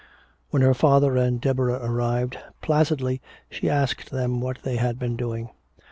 When her father and Deborah arrived, placidly she asked them what they had been doing.